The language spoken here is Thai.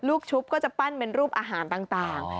ชุบก็จะปั้นเป็นรูปอาหารต่าง